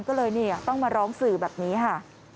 ก็เลยต้องมาร้องสื่อแบบนี้ค่ะ